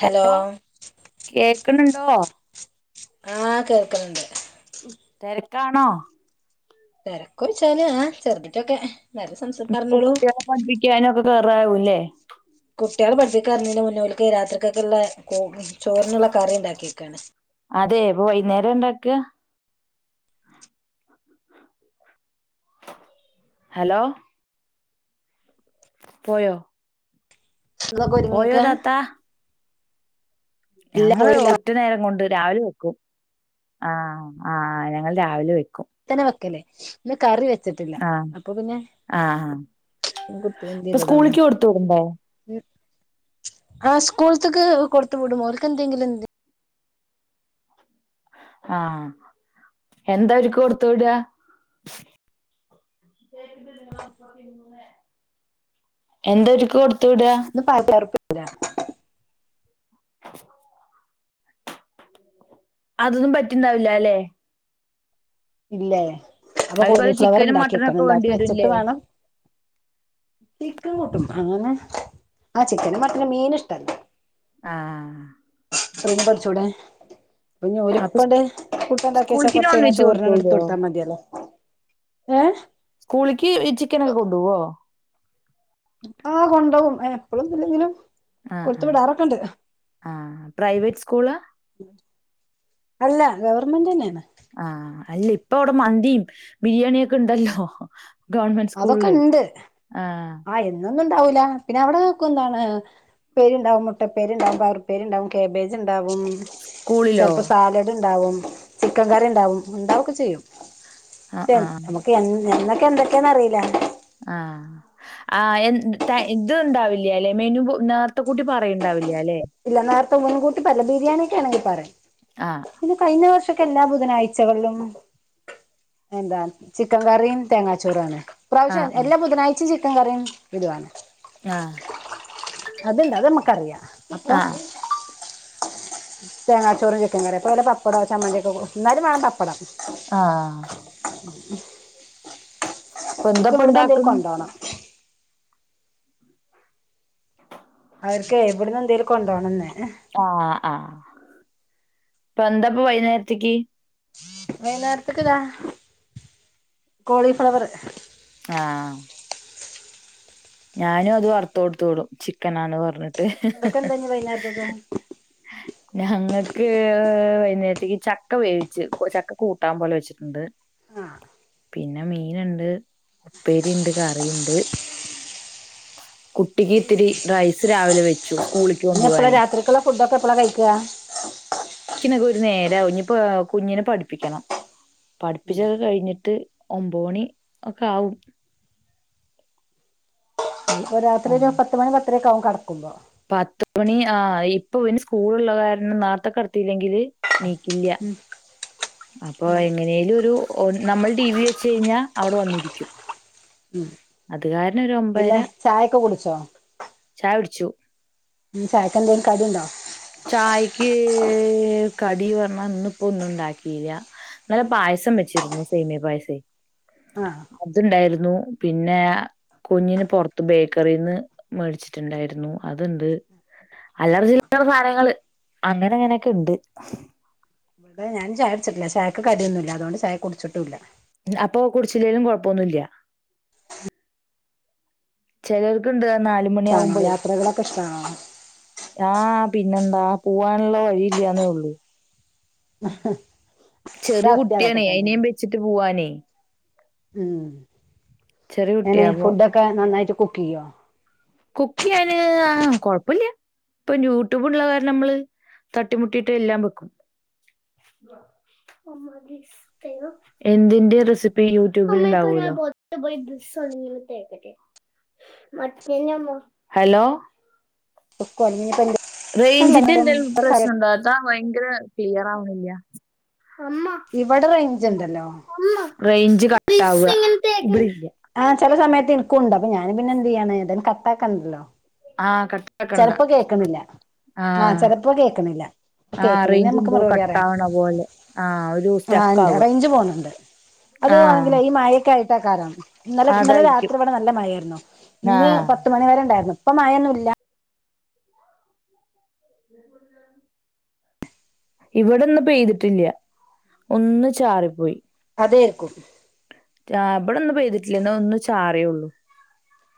Hello കേക്കണുണ്ടോ ആഹ് കേക്കണുണ്ട് തെരക്കാണോ തെരക്കോയിച്ചാല് ആ ചെറുതിട്ടൊക്കെ നല്ല സംസ് പറഞ്ഞോളൂ പഠിപ്പിക്കാനൊക്കെ കേറാവൂല്ലേ കുട്ടികള പഠിപ്പിക്കാർന്ന് മുന്നേ ഓല്ക്ക് രാത്രിക്കൊക്കിള്ള കോ ചോറിനൊള്ള കറി ഇണ്ടാക്കി വെക്കാണ് അതേ ഇപ്പം വൈകുന്നേരം ഇണ്ടാക്ക ഹലോ പോയോ നിങ്ങളക്ക പോയോ ഒരിങ്ങിക്ക താത്താ ഇല്ല ഞങ്ങള് ഒ പോയില്ല ഒറ്റ നേരം കൊണ്ട് രാവിലെ വെക്കും അ ആ ഞങ്ങള് രാവിലെ വെക്കും ഇത്തന വെക്കല്ലേ ഇന്ന് കറി വെച്ചട്ടില്ല അപ്പൊ പിന്നെ അപ്പ സ്കൂളിക്ക് കൊടുത്ത് വിടുണ്ടോ ആ സ്കൂൾത്ത്ക്ക് കൊടുത്ത് വിടും ഓർക്കെന്തെങ്കിലെന്ത് ആഹ് എന്ത ഒരുക്ക് കൊടുത്തവിട എന്തൊരിക്ക് കൊടുത്ത് വിട [unintelligible] അതൊന്നും പറ്റിണ്ടാവില്ലല്ലെ ഇല്ലേ അപ്പൊ അവർക്ക് വല്ല ചിക്കനും മട്ടനും കോളിഫ്ലവറ്ണ്ടാക്കിഎക്കണം ഒക്കെ വേണ്ടി ണ്ടാക്കി വെച്ചിട്ട് വരൂല്ലേ വേണം. ചിക്കൻ കൂട്ടും ആങ്ങനെ ആഹ് ചിക്കന് മട്ടനും മീൻ ഇഷ്ടല. ആഹ് പടിച്ചൂടെ അപ്പൊ പഞ്ഞോൾപ്പണ്ട് കൂട്ടാണ്ടാക്കിച്ച സ്കൂളിക്ക് നോൺ കൊറച്ചയ്ഞ്ഞ. വെജ് കൊടുത്തു വിടുവോ മതിയല്ലോ ഏഹ് സ്കൂളിക്ക് ചിക്കനക്കെ കൊണ്ടുപോവോ. ആഹ് കൊണ്ടോകും എപ്പഴൊന്നുല്ലെങ്കിലും. ആഹ് ആഹ് ആഹ് പ്രൈവറ്റ് സ്കൂള അല്ല ഗവർമെന്റന്നെയാണ്. ആഹ് അല്ല ഇപ്പ അവിടെ മന്തിയും ബിരിയാണിയൊക്കെ ഇണ്ടല്ലോ. ഗവണ്മെന്റ് സ്കൂളില് ആഹ് ഇന്നൊന്നും ണ്ടാവൂല പിന്നെ അവിടെ വക്കും എന്താണ്. പേരി ഉണ്ടാവും മുട്ടപ്പേരി ഉണ്ടാവും പയർപ്പേരി ഉണ്ടാവും കാകേബേജ് ഉണ്ടാവും. സ്കൂളിലോ ചെലപ്പോ സാലഡ് ണ്ടാവും ചിക്കൻ കറി ണ്ടാവും ണ്ടാവൊക്കെ ചെയ്യും. ആഹ് ആഹ് നമുക്ക് എന്നൊക്കെ എന്തൊക്കെയാന്ന് അറിയില്ല. ആഹ്. ആഹ് എ ഇത് ഇണ്ടാവില്ല അല്ലെ മെനു നേരത്തെ കൂട്ടി പറയണ്ടാവില്ലല്ലെ. ഇല്ല നേരത്തെ മുൻകൂട്ടി പറയില്ല ബിരിയാണിയക്കെ ആണെങ്കി പറയും. ആഹ് പിന്നെ കഴിഞ്ഞ വർഷക്ക എല്ലാ ബുധനാഴ്ചകളിലും. എന്താ ചിക്കൻ കറീ തെങ്ങാച്ചോറുആണ്. ആഹ് ഇപ്രാവശ്യം എല്ലാ ബുധനാഴ്ചയും ചിക്കൻ കറിയും ഇദുവാണ്. ആഹ് അത്ണ്ട് അതമ്മക്കറിയ അപ്പൊ. ആഹ് തേങ്ങാച്ചോറും ചിക്കൻ കറിയ ഇപ്പ ഓര പപ്പടോ ചമ്മന്തിക്കെ എന്നാലും വേണം പപ്പടം. ആഹ്. ഉ അപ്പൊ എന്തപ്പണ്ടാക്കുണ്. അവർക്ക് ഇവിടന്ന് എന്തെലും കൊണ്ടോണന്. ആഹ് ആഹ് ഇപ്പൊ എന്താപ്പ വൈന്നേരത്തേക്ക്. വൈനേരത്കതാ കോളിഫ്ലവർ. ആഹ്. ഞാനും അത് വറുത് കൊടുത് വിടും ചിക്കനന്ന് പറഞ്ഞിട്ട്. ഇതൊക്കെ എന്താ ഇനി വൈകുന്നേരത്തേക്ക് ആ ഞങ്ങൾക്ക് വൈകുന്നേരത്തേക്ക് ചക്ക വേവിച്ച് ചക്ക കൂട്ടാൻ പോലെ വെച്ചിട്ടുണ്ട്. ആഹ്. പിന്നെ മീനുണ്ട് ഉപ്പേരി ണ്ട് കറിണ്ട്. കുട്ടിക്ക് ഇത്തിരി റൈസ് രാവിലെ വെ ചു സ്കൂളിക്ക്. ഇനി എപ്പഴ കൊണ്ടുപോകാനേ രാത്രിക്കുള്ള ഫുഡൊക്കെ എപ്പഴാ കഴിക്ക. കഴിക്കാനൊക്കെ ഒരു നേരാവും കുഞ് കുഞ്ഞിനെ പഠിപ്പിക്കണം. പഠിപ്പിച്ചൊക്കെ കഴിഞ്ഞിട്ട് ഒമ്പത് മണി ഒക്കെ ആകും. അപ്പൊ ആ രാത്രി ഒരു പത്ത് മണി പത്തരെക്കാകും കടക്കുമ്പോ. പത് മണി ആ ഇപ്പൊ ഇവന് സ്കൂളുള്ള കാരണം നാത്തെ കടന്നല്ലെങ്കില് നീക്കില്ല. ഉം [inaudible] അപ്പൊ എങ്ങനേലും ഒരു നമ്മള് ടി വി വെച്ച് കഴിഞ്ഞാൽ അവിടെ വന്നിരിക്കും. അത് കാരണം ഒരു എന്താ ഒമ്പതര ചായ ഒക്കെ കുടിച്ചോ ചായ കുടിച്ചു. ചായക്കന്തെലും കടിണ്ടോ. ചായക്ക് കടിന് പറഞ്ഞ ഇന്പ്പോ ഒന്നും ഉണ്ടാക്കിയില്ല. ഇന്നലെ പായസം വെച്ചിരുന്നു സേമിയ പായസം. ആ അതുണ്ടായിരുന്നു പിന്നെ. കുഞ്ഞിന് പുറത്ത് ബേക്കറിന്ന് മേടിച്ചിട്ടുണ്ടായിരുന്നു അതുണ്ട്. അല്ലറ ചില്ലറ സാധനങ്ങള് അങ്ങനെ ഇങ്ങനെ ഒക്കെ ഉണ്ട് ഏഹ് ഞാൻ ചായ കുടിച്ചിട്ടില്ല ചായക്ക് കടിയൊന്നുല്ല അതുകൊണ്ട് ചായ കുടിച്ചിട്ടുല്ല അപ്പൊ കുടിച്ചില്ലേലും കൊഴപ്പൊന്നുല്ല ചിലർക്ക് ഇണ്ട് നാലുമണി ഇഷ്ടാണോ ആവുമ്പളേ യാത്രകളൊക്കെ ഇഷ്ടാണോ ആ പിന്നെന്താ പോവാനുള്ള വഴി ഇല്ലാന്നേ ഉള്ളൂ [unintelligible] ചെറിയ അവസ്ഥ അതൊക്കെ കുട്ടിയാണേയ് അയിനേം തന്നെയാണ് വെച്ചിട്ട് പോവാനേ ഉം ചെറിയ കുട്ടിയാ എങ്ങനെ അപ്പൊ ഫുഡൊക്കെ നന്നായിട്ട് കുക്ക് ചെയ്യോ കുക്ക് ചെയ്യാന് ആഹ്‌ കൊഴപ്പില്ല ഇപ്പൊ യൂട്യൂബ് ഉള്ള കാരണം നമ്മള് തട്ടിമുട്ടിയിട്ട് എല്ലാം വെക്കും [inaudible] എന്തിന്റെ റെസിപ്പി യൂട്യൂബിൽണ്ടാവോലോ [inaudible] [inaudible] ഹലോ [unintelligible] അല്ല റേഞ്ചിന്റെ എന്തേലും ഇപ്പൊ പ്രശ്നം കറി- ഉണ്ടോ താത്ത ഭയങ്കര ക്ലിയർ ആവണില്ല അമ്മ ഇവിടെ റേഞ്ച് ഉണ്ടല്ലോ അമ്മ റേഞ്ച് കട്ടാവ [inaudible] ആഹ് ചെല സമയത്ത് ഇൻക്കുണ്ട് അപ്പ ഞാന് പിന്നെന്ത് ചെയ്യാണ് ഏതായാലും കട്ടാക്കണ്ടല്ലോ ആഹ് കട്ട ചെലപ്പം കേക്കണില്ല ആഹ്‌ ചെലപ്പം കേക്കണില്ല ആ കേക്കണേന് റേഞ്ച് നമ്മക്ക് എന്തോ മറുപടി പറയാം കട്ടാവണ പോലെ ആ ഒരു ആഹ്‌ സ്റ്റക്ക് ഇണ്ട് ആവുക റേഞ്ച് പോണണ്ട് അത് ആ വാണെങ്കില് ഈ മഴക്കായിട്ടാക്കാരം ഇന്നലെ ഇന്നലെ അതായിരിക്കും രാത്രി ഇവിടെ നല്ല മഴായിരുന്നു ആ ഇന്ന് പത്ത് പത്ത് മണിവരെ ഉണ്ടായിരുന്നു ഇപ്പ മഴഴൊന്നുല്ല [unintelligible] ഇവിടെന്ന്‌ പെയ്തിട്ടില്ല ഒന്ന് ചാറിപ്പോയി അതേർക്കും ആഹ് ഇബടെന്ന് പെയ്തിട്ടില്ല ന്ന് ഒന്ന് ചാറേള്ളൂ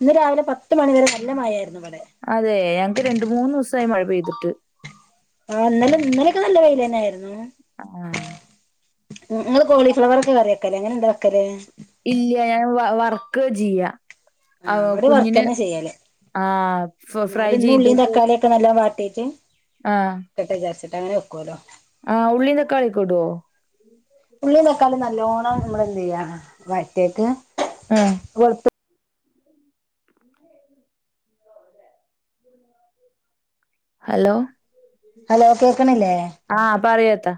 ഇന്ന് രാവിലെ പത്ത് മണിവരെ നല്ല മഴാരുന്നു ഇവിടെ അതേയ് ഞങ്ങക്ക് രണ്ട്‌ മൂന്ന്‌ ദിവസായി മഴ പെയ്തിട്ട് ആഹ്‌ ഇന്നലെ ഇന്നലെക്കെ നല്ല വെയിലെന്നെ ആയിരുന്നു ആഹ്‌ ഇങ്ങള് കോളിഫ്ലവറ് ഒക്കെ കറി വെക്കല് എങ്ങനെ ഇണ്ട്‌ കറി വെക്കല് ഇല്യ ഞാൻ വ -വർക്ക ചെയ്യ ആ ആഹ്‌ ഇവിടെ വർക്ക് കുഞ്ഞിന് തന്നെ ചെയ്യല് ആഹ്‌ ഫ ഫ്രൈ ചെയ്തിട്ട് ക്കെ നല്ലോം വാട്ടീട്ട് ആഹ്‌ ക്കെട്ടെ വിചാരിച്ചിട്ട് അങ്ങനെ വെക്കോലോ ആഹ് ഉള്ളി തക്കാളി ഒക്കെ ഇടോ? ഉള്ളി, തക്കാളി നല്ലോണ്ണം നമ്മള് എന്ത് ചെയ്യാ വയറ്റിട്ട് ഉം വെളുത്തു ഹലോ ഹലോ കേക്കണില്ലേ? ആഹ്‌ പറയ് താത്ത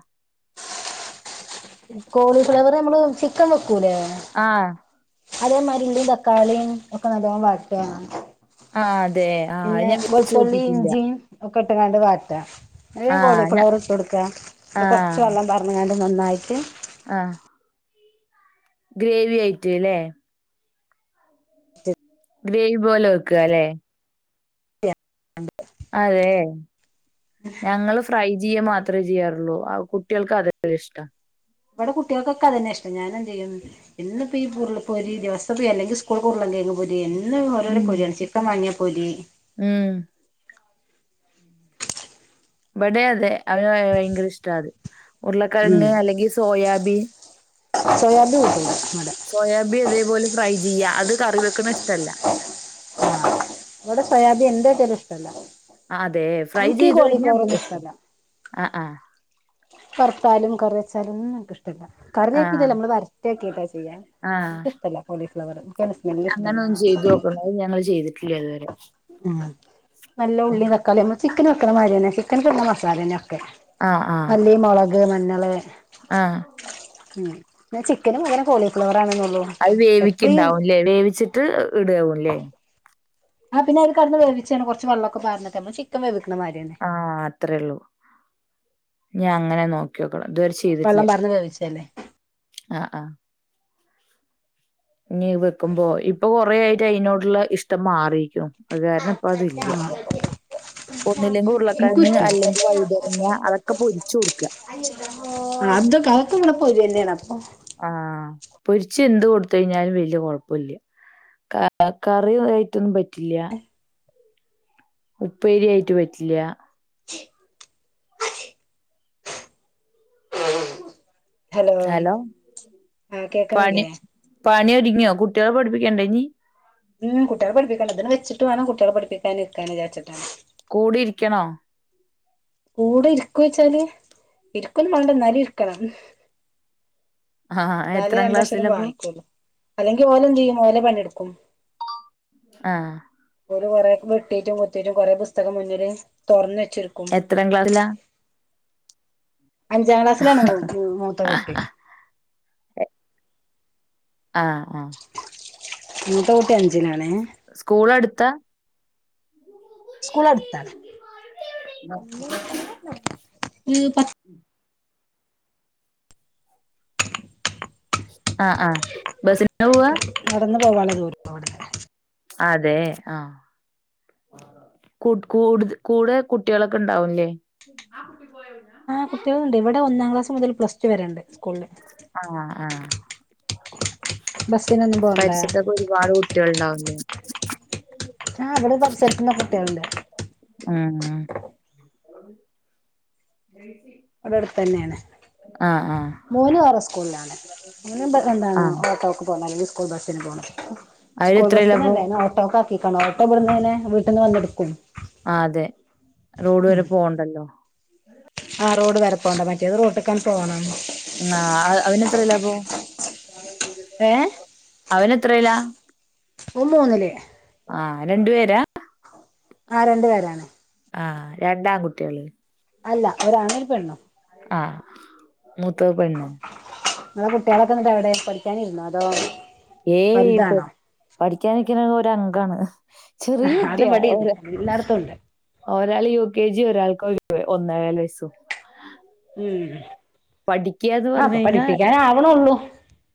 കോളിഫ്ലവർ നമ്മള് ചിക്കൻ വെക്കൂലേ ആഹ്‌ അതേമാതിരി ഉള്ളി തക്കാളിയും ഒക്കെ നല്ലോം വാട്ടാ ആ അതെ. ആ അത് പിന്നെ ഞാൻ വെച്ച് വെളുത്തുള്ളി നോക്കിയിട്ടില്ല. ഇഞ്ചിയും ഒക്കെ ഇട്ട്ങ്ങാണ്ട് വാട്ടാ എന്നിട്ട് ആ ഞ കോളിഫ്ലവർ ഇട്ട് കൊടുക്കാം ആ. കുറച്ച് വെള്ളം അങ്ങാണ്ട് നന്നായിട്ട് ആഹ് ഗ്രേവി ആയിട്ട് അല്ലേ? ഗ്രേവി പോലെ വെക്കുക അല്ലെ? അതെ ഞങ്ങള് ഫ്രൈ ചെയ്യ മാത്രമേ ചെയ്യാറുള്ളൂ ആ കുട്ടികൾക്ക് അതല്ലേ ഇഷ്ടം ഇവിടെ കുട്ടികൾക്കൊക്കെ അത് തന്നെ ഇഷ്ടം ഞാന് എന്ത് ചെയ്യും ഇന്ന് ഇപ്പോ ഈ ഉരുള പൊരി ദിവസം പോയി അലെങ്കിൽ സ്കൂൾ പോകുമ്പഴല്ലേ പൊരി എന്നും ഓരോരോ പൊരിയാണ് ചിക്കൻ വാങ്ങിയ പൊരി ഏയ് ഇവിടെയും അതെ അവന് ഭയങ്കര ഇഷ്ടാ അത് ഉം ഉരുളക്കിഴങ്ങ് അല്ലെങ്കി സോയാബി സോയാബീൻ കൂട്ടൂല ഇവിടെ സോയാബി അതേപോലെ ഫ്രൈ ചെയ്യ അത് കറി വെക്കണ ഇഷ്ടല്ല ഇവിടെ സോയാബി എന്ത് വച്ചാലും ഇഷ്ടല്ല ആ അതെ ഫ്രൈ ചെയ്ത് കഴിഞ്ഞാൽ ഇഷ്ടമല്ല ആ ആഹ് വറുത്താലും കറി വെച്ചാലും ഒന്നും നിക്ക്ഇഷ്ടല്ല ആഹ് കറിയാക്കിട്ടല്ല നമ്മള് വററ്റി ആക്കിയിട്ടാ ചെയ്യ ആഹ്. നിക്ക് ഇഷ്ടല്ല കോളീഫ്ളവർ എനിക്ക് അതിൻ്റെ സ്മെല്ല് ഇഷ്ടല്ല അങ്ങനൊന്ന് ചെയ്ത് നോക്കണം. അത് ഞങ്ങള് ചെയ്തിട്ടില്ല ഇതുവരെ ഉം നല്ല ഉള്ളി തക്കാളി ചിക്കൻ വെക്കണ മാതിരി തന്നെ ചിക്കൻ വെയ്ക്കണ മസാല തന്നെ ഒക്കെ ആഹ് ആഹ് മല്ലി മൊളക് മഞ്ഞള് ആഹ് ഉം പിന്നെ ചിക്കനും പകരം കോളിഫ്ലവറ് ആണെന്നള്ളൂ അത് വേവിക്കുണ്ടാവുംല്ലേ? വേവിച്ചിട്ട് ഇടുകവുംല്ലേ? ആ പിന്നെ അ കടന്ന് വേവിച്ചാണ് കൊറച്ച് വെളളക്കെ പാർന്നിട്ട് നമ്മള് ചിക്കൻ വേവിക്കുന്നമാര്യന്നെ ആഹ് അത്രേയള്ളൂ ഞാൻ അങ്ങനെ നോക്കി ക്കിനോക്കണം ഇതുവരെ ചെയ്തിട്ടില്ല വെള്ളം പാർന്ന് വേവിച്ചല്ലേ ആഹ് ആഹ് ഇനി വക്കുമ്പോ ഇപ്പൊ കൊറേ ആയിട്ട് അതിനോടുള്ള ഇഷ്ടം മാറിക്കണു അത് കാരണം ഇപ്പ അതില്ല ആ ഒന്നില്ലെങ്കിൽ എനിക്കും ഉരുളക്കിഴങ്ങ് ഇഷ്ടല്ല അല്ലെങ്കിൽ വഴുതനങ്ങ അതൊക്കെ പൊരിച്ചു കൊടുക്കുക അത് അതൊക്കിവിടെ പൊരി തന്ന്യാണ് അപ്പോ ആഹ് പൊരിച്ച് എന്ത് കൊടുത്ത് കഴിഞ്ഞാലും വല്യ കൊഴപ്പില്ല ക കറി ആയിട്ടൊന്നും പറ്റില്ല ഉപ്പേരി ആയിട്ട് പറ്റില്ല ഹലോ ആഹ് പണി കേക്കണില്ലേ പണി ഒതുങ്ങിയോ കുട്ടികളെ പഠിപ്പിക്കേണ്ടേ ഇനി ഉം കുട്ടികളെ പടിപ്പിക്കണം ഇതൊന്ന് വെച്ചിട്ട് വേണം കുട്ടികളെ പഠിപ്പിക്കാന് ഇരിക്കാന്ന് വിചാരിച്ചിട്ടാ കൂടിരിക്കണോ കൂടെ ഇരിക്കു വെച്ചാല് ഇരിക്കും മേണ്ടാ എന്നാലും ഇരിക്കണം ആഹ് എന്നാലേ എത്രാം രണ്ടക്ഷരം ക്ലാസ്സിലപ്പൊ വായിക്കോളു അല്ലെങ്കി ഓല് എന്ത് ചെയ്യും ഓലെ പണിയെടുക്കും ആഹ് ഓല് കുറേ വെട്ടീട്ടും കുത്തീറ്റും കുറെ പുസ്തകം മുന്നില് തൊറന്ന് വെച്ചിരിക് എത്രാം ക്ലാസിലാ അഞ്ചാം ക്ലാസ്സിലാണ് മൂ മൂത്ത കുട്ടി ആഹ് ആഹ് ആഹ് മൂത്ത കൂട്ടി അഞ്ചിലാണേ സ്കൂളടുത്താ സ്കൂൾ അടുത്താണ് ഉം ആഹ് ആഹ് ബസി നടന്നു പോവാന്ന ദൂരത്തോടെ അതേ ആഹ് കൂട് കൂടുത് കൂടെ കുട്ടികളൊക്കെ ഉണ്ടാവുംല്ലേ ആ കുട്ടി പോയാ അവിടുന്ന് ആഹ് കുട്ടികളുണ്ട് ഇവിടെ ഒന്നാം ക്ലാസ് മുതൽ പ്ലസ് ടു വരെ ഉണ്ട് സ്കൂളില് ആഹ് ആഹ് ബസ്നന്നെ പരിസരത്തൊക്കെ ഒരുപാട് കുട്ടികൾ ഇണ്ടാവുംല്ലേ ആഹ് അവിടെ പരിസരത്തുന്ന കുട്ടികളുണ്ട് ആഹ് അവിടടുത്തന്നെയാണ് ആഹ് മോന് വേറെ സ്കൂളിലാണ് മോന് എന്താണ് ആഹ് ഓട്ടോക്ക് പോണം അല്ലെങ്കിൽ സ്കൂൾ ബസിന് പോണം അവര് സ്കൂൾ എത്രയിലാപ്പൊ ബസ്സിനല്ലേ അയ്ന് ഓട്ടോക്കാ ഈക്കണോ ഓട്ടോ ഇവ്ടുന്നന്നെ വീട്ടിന്ന് വന്നെടുക്കും ആഹ് അതെ റോഡ് വരെ പോവണ്ടല്ലോ ആഹ് റോഡ് വരെ പോണ്ട മറ്റേത് റോട്ട്ക്കാൻ പോണം ആഹ് അവനെത്രേലാ അപ്പൊ ഏ അവൻ എത്രയില ഓൻ മൂന്നില് ആഹ് രണ്ടു പേരാ ആഹ് രണ്ടു പേരാണ് ആഹ് രണ്ടാകുട്ടിയള് അല്ല ഒരാണും പെണ്ണും ആഹ് മൂത്തത് പെണ്ണ് ങ്ങളെകുട്ടികളൊക്കെ ഉട്ടോ എവിടെ പഠിക്കാനിരുന്ന അതോ ഏയ് ഇപ്പൊ വലുതാണോ പഠിക്കാനക്കുന്ന ഒരു അംഗാണ് ചെറിയ അത് കുട്ടിയാ ഓ ഇവിടെയുണ്ട് എല്ലായിടത്തും ഉണ്ട് ഒരാൾ യു കെ ജി ഒരാൾക്ക് ഒന്നേല് വയസു ഉം പഠിക്കന്ന് ആ പറഞ്ഞ അപ്പൊ കഴിഞ്ഞ പഠിപ്പിക്കാനാവണുള്ളൂ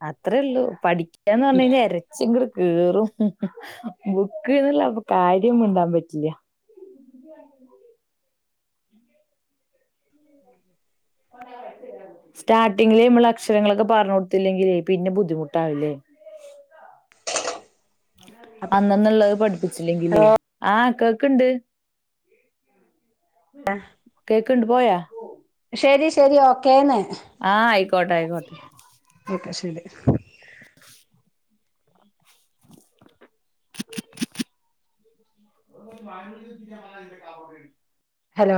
അത്രേയള്ളൂ പഠിക്കന്ന് പറഞ്ഞ കഴിഞ്ഞാ എര പച്ച ഇങ്ങടെ കേറും ബുക്ക്ന്നല്ലപ്പൊ കാര്യം മിണ്ടാൻ പറ്റില്ല [inaudible] സ്റ്റാർട്ടിങ്ങിലേ നമ്മള് അക്ഷരങ്ങളൊക്കെ പറഞ്ഞു കൊടുത്തില്ലങ്കില് പിന്നെ ബുദ്ധിമുട്ടാവില്ലേ അന്നന്നുള്ളത് പഠിപ് ച്ചില്ലെങ്കിലെ ആഹ് കേക്കണ്ട് ആഹ് കേക്കണ്ട് പോയാ ശരി ശരി ഓക്കേന്ന് ആഹ് ആയിക്കോട്ടെ ആയിക്കോട്ടെ ഓക്കെ ശരി [inaudible] [inaudible] ഹലോ